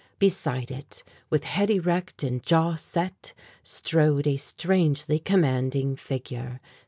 Beside it, with head erect and jaw set, strode a strangely commanding figure.